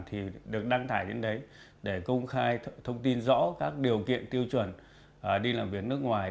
thì được đăng tải đến đấy để công khai thông tin rõ các điều kiện tiêu chuẩn đi làm việc nước ngoài